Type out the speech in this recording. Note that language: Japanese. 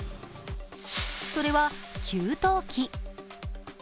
それは給湯器。